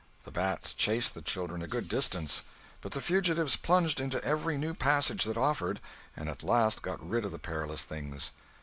The bats chased the children a good distance; but the fugitives plunged into every new passage that offered, and at last got rid of the perilous things.